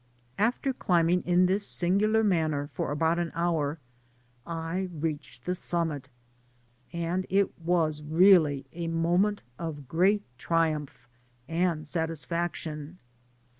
After climbing in this singular manner for about an hour, I reached the summit, and it was really a moment of great triumph and satisfaction.